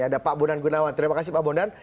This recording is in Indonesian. ada pak bonan gunawan terima kasih pak bonan